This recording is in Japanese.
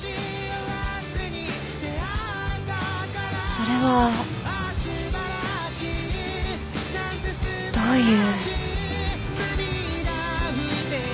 それはどういう。